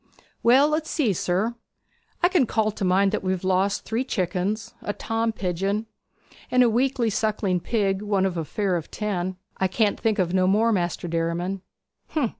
'Well, let's see, sir. I can call to mind that we've lost three chickens, a tom pigeon, and a weakly sucking pig, one of a fare of ten. I can't think of no more, Maister Derriman.'